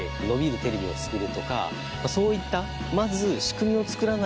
そういった。